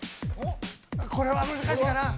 これは難しいかな。